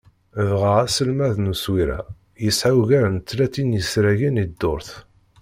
Dɣa aselmad n uswir-a, yesεa ugar n tlatin n yisragen i ddurt.